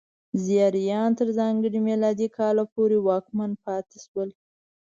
زیاریان تر ځانګړي میلادي کاله پورې واکمن پاتې شول.